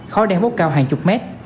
khói đen bốc cao hàng chục mét